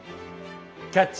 「キャッチ！